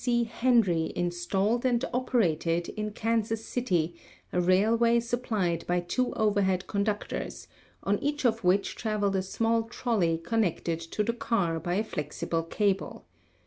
C. Henry installed and operated in Kansas City a railway supplied by two overhead conductors, on each of which traveled a small trolley connected to the car by a flexible cable.